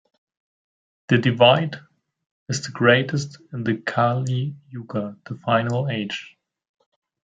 The divide is the greatest in the Kali Yuga, the final age.